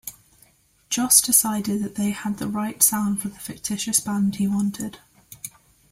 Joss decided that they had the right sound for the fictitious band he wanted.